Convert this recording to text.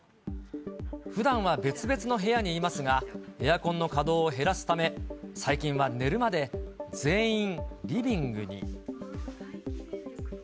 ふだんは別々の部屋にいますが、エアコンの稼働を減らすため、最近は寝るまで全員リビングに。